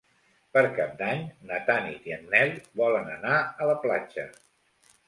Per Cap d'Any na Tanit i en Nel volen anar a la platja.